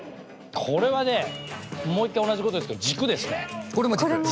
これはねもう一回同じことですけど軸ですね軸。